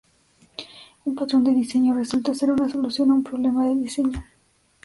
Un patrón de diseño resulta ser una solución a un problema de diseño.